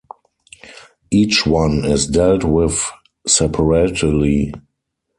Each one is dealt with separately.